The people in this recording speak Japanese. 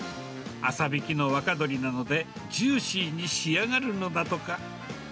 浅びきの若鶏なので、ジューシーに仕上がるのだとか。